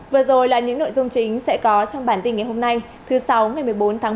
vừa rồi là những nội dung chính sẽ có trong bản tin ngày hôm nay thứ sáu ngày một mươi bốn tháng năm